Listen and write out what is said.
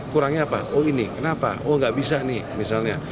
kurangnya apa oh ini kenapa oh nggak bisa nih misalnya